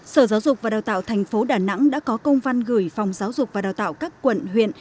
sở giáo dục và đào tạo thành phố đà nẵng đã có công văn gửi phòng giáo dục và đào tạo các quận huyện